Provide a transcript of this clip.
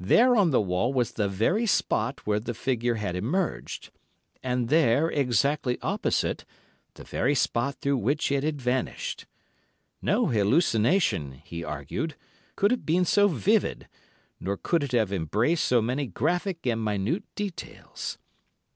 There on the wall was the very spot where the figure had emerged, and there, exactly opposite, the very spot through which it had vanished. No hallucination, he argued, could have been so vivid, nor could it have embraced so many graphic and minute details.